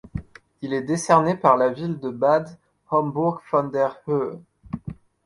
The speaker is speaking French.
Il est décerné par la ville de Bad Homburg vor der Höhe.